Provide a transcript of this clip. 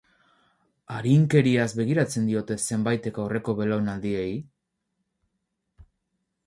Arinkeriaz begiratzen diote zenbaitek aurreko belaunaldiei?